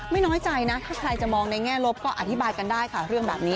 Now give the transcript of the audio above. น้อยใจนะถ้าใครจะมองในแง่ลบก็อธิบายกันได้ค่ะเรื่องแบบนี้